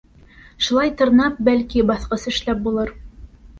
Шулай тырнап, бәлки, баҫҡыс эшләп булыр.